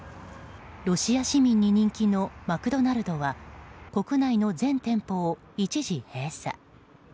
ロシア市民に人気のマクドナルドは国内の全店舗を一時閉鎖。